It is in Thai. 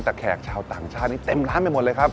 แต่แขกชาวต่างชาตินี้เต็มร้านไปหมดเลยครับ